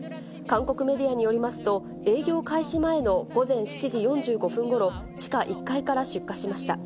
韓国メディアによりますと、営業開始前の午前７時４５分ごろ、地下１階から出火しました。